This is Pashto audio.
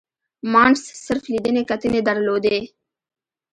مانډس صرف لیدنې کتنې درلودې.